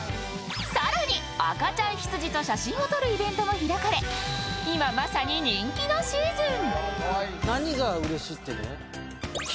更に、赤ちゃん羊と写真を撮るイベントも開かれ今、まさに人気のシーズン。